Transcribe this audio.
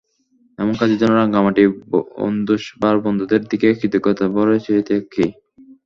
এমন কাজের জন্য রাঙামাটি বন্ধুসভার বন্ধুদের দিকে কৃতজ্ঞতা ভরে চেয়ে থাকি।